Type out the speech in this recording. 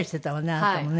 あなたもね。